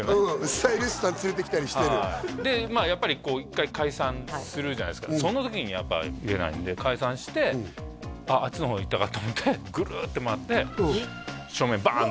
スタイリストさん連れてきたりしてるでやっぱりこう１回解散するじゃないですかその時にやっぱ言えないんで解散してあっあっちの方行ったかと思ってグルーッて回って正面バーン！